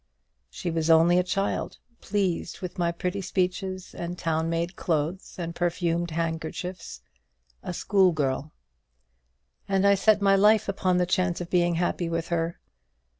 She was only a child, pleased with my pretty speeches and town made clothes and perfumed handkerchiefs, a schoolgirl; and I set my life upon the chance of being happy with her.